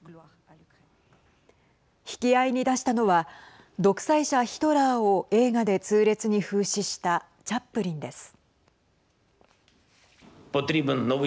引き合いに出したのは独裁者ヒトラーを映画で痛烈に風刺したチャップリンです。